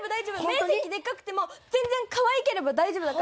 面積でかくても全然かわいければ大丈夫だから。